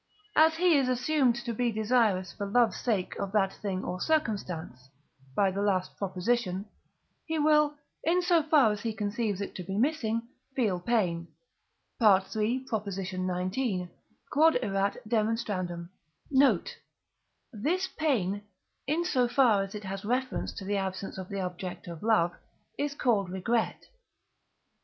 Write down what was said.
As he is assumed to be desirous for love's sake of that thing or circumstance (by the last Prop.), he will, in so far as he conceives it to be missing, feel pain (III. xix.). Q.E.D. Note. This pain, in so far as it has reference to the absence of the object of love, is called Regret.